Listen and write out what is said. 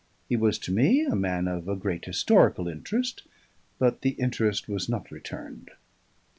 He was to me a man of a great historical interest, but the interest was not returned."